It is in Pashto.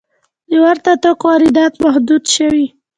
د ورته توکو واردات محدود شوي؟